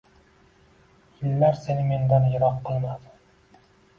Yillar seni mendan yiroq qilmadi